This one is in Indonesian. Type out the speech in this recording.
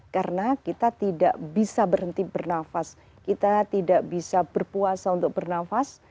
karena kita tidak bisa berhenti bernafas kita tidak bisa berpuasa untuk bernafas